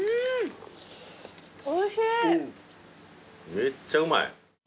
めっちゃうまい。